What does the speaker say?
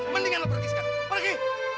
mendingan lu pergi sekarang pergi